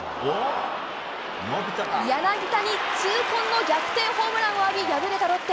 柳田に痛恨の逆転ホームランを浴び敗れたロッテ。